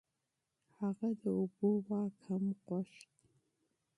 هغه د اوبو واک هم غوښت.